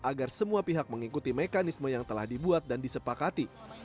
agar semua pihak mengikuti mekanisme yang telah dibuat dan disepakati